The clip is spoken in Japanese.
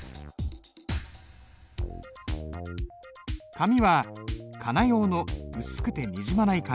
紙は仮名用の薄くてにじまない紙。